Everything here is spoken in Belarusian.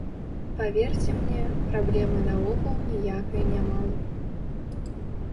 Паверце мне, праблемы наогул ніякай няма.